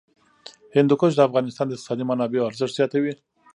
هندوکش د افغانستان د اقتصادي منابعو ارزښت زیاتوي.